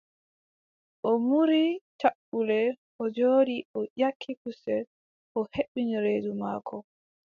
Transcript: O muuri caɓɓule, o jooɗi o ƴakki kusel, o hebbini reedu maako.